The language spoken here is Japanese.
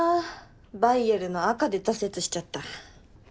バイエルの赤で挫折しちゃった。